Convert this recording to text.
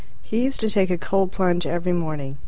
He used to take a cold plunge every morning.